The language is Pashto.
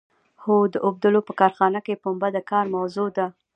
هو د اوبدلو په کارخانه کې پنبه د کار موضوع ده.